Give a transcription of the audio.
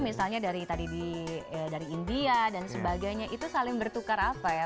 misalnya dari tadi dari india dan sebagainya itu saling bertukar apa ya